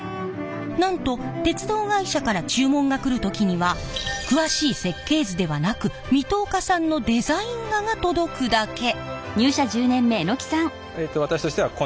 なんと鉄道会社から注文が来る時には詳しい設計図ではなく水戸岡さんのデザイン画が届くだけ。